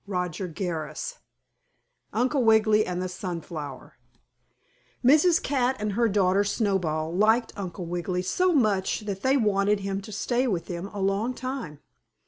STORY XVII UNCLE WIGGILY AND THE SUNFLOWER Mrs. Cat and her daughter Snowball liked Uncle Wiggily so much that they wanted him to stay with them a long time.